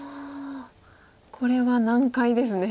これは難解ですね。